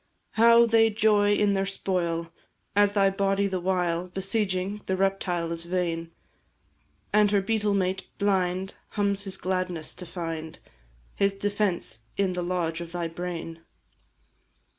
How they joy in their spoil, as thy body the while Besieging, the reptile is vain, And her beetle mate blind hums his gladness to find His defence in the lodge of thy brain!